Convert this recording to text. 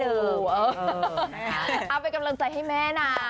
เอาเป็นกำลังใจให้แม่นะ